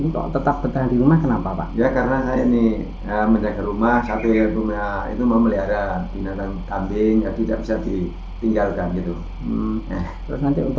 ketinggian hari kemarin dalam rumah dua puluh cm